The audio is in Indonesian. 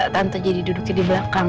tante jadi duduknya di belakang